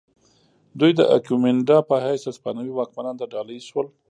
دوی د ایکومینډا په حیث هسپانوي واکمنانو ته ډالۍ شول.